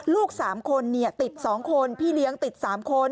ลูกสามคนติดสองคนพี่เลี้ยงติดสามคน